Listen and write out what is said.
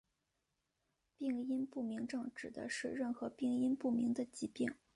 病因不明症指的是任何病因不明的疾病。